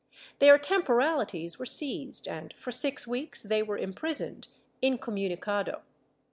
Their temporalities were seized and for six weeks they were imprisoned, incomunicado.